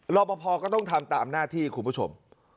รอปภก็ต้องทำตามหน้าที่คุณผู้ชม